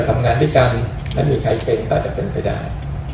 ไม่จะมีใครก็จะเป็นไปได้